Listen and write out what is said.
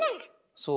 そう。